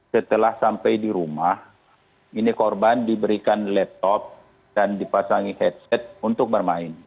setelah sampai di rumah ini korban diberikan laptop dan dipasangi headset untuk bermain